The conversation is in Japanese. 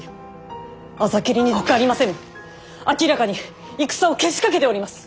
明らかに戦をけしかけております！